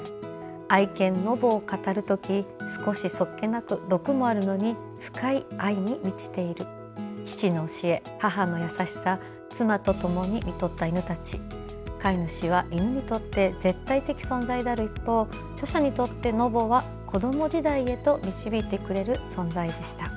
愛犬ノボを語る時少しそっけなく毒もあるのに深い愛に満ちている父の教え、母の優しさ妻とともにみとった犬たち飼い主は犬にとって絶対的存在である一方著者にとってノボは子ども時代へ導いてくれる存在でした。